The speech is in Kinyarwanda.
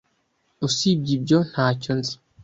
Usibye ibyo, ntacyo nzi.